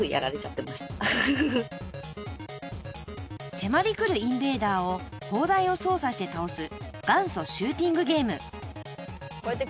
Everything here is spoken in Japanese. ［迫り来るインベーダーを砲台を操作して倒す元祖シューティングゲーム］